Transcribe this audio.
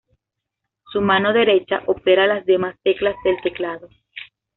Su mano derecha opera las demás teclas del teclado.